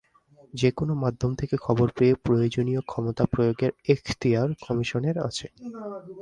যেকোনো মাধ্যম থেকে খবর পেয়ে প্রয়োজনীয় ক্ষমতা প্রয়োগের এখতিয়ার কমিশনের আছে।